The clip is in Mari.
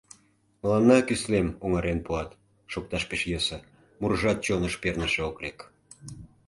Мыланна кӱслем оҥарен пуат — шокташ пеш йӧсӧ, мурыжат чоныш перныше ок лек.